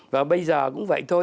và bây giờ cũng vậy thôi